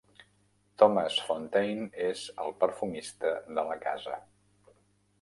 Thomas Fontaine és el perfumista de la casa.